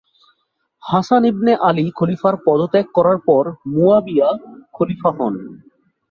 Hasan ibn Ali খলিফার পদ ত্যাগ করার পর মুয়াবিয়া খলিফা হন।